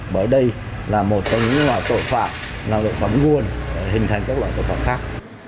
bởi đây là một trong những loại tội phạm loại phẩm nguồn hình thành các loại tội phạm khác